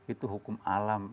itu hukum alam